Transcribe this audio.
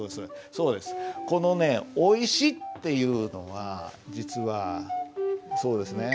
このね「おいし」っていうのは実はそうですね。